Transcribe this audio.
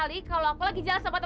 tidak tidak tidak pasti kotor